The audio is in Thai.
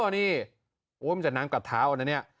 มีจากน้ำกัดถาว